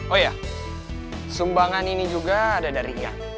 oh iya sumbangan ini juga ada dari ya